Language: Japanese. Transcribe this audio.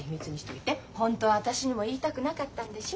ホントは私にも言いたくなかったんでしょ？